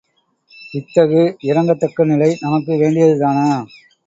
இத்தகு இரங்கத்தக்க நிலை நமக்கு வேண்டியதுதானா?